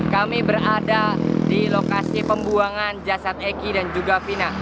kami berada di lokasi pembuangan jasad eki dan juga fina